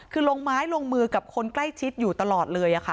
คือลงไม้ลงมือกับคนใกล้ชิดอยู่ตลอดเลยค่ะ